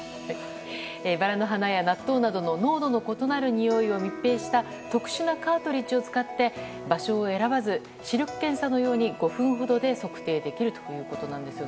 バラの花や納豆などの濃度の異なるにおいを密閉した特殊なカートリッジを使って場所を選ばず、視力検査のように５分ほどで測定できるということです。